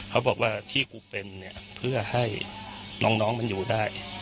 เขาบอกว่าที่กูเป็นเนี่ยเพื่อให้น้องมันอยู่ได้